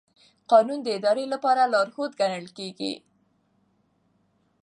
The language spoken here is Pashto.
قانون د ادارې لپاره لارښود ګڼل کېږي.